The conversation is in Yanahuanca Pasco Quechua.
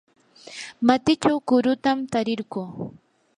matichaw kurutam tarirquu.